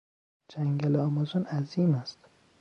جنگل آمازون عظیم است.